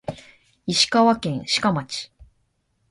石川県志賀町